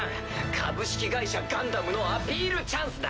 「株式会社ガンダム」のアピールチャンスだ。